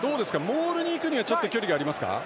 モールに行くにはちょっと距離がありますか？